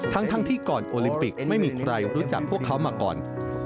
ทั้งที่ก่อนโอลิมปิกไม่มีใครรู้จักพวกเขามาก่อน